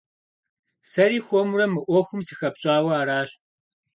Сэри хуэмурэ мы Ӏуэхум сыхэпщӀауэ аращ.